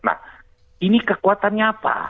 nah ini kekuatannya apa